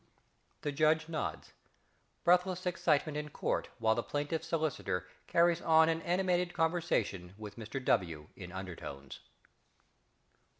(_The Judge nods: breathless excitement in Court while the plaintiff's solicitor carries on an animated conversation with ~Mr W.~ in undertones.